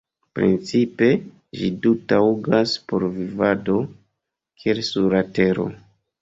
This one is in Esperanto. Principe ĝi do taŭgas por vivado, kiel sur la Tero.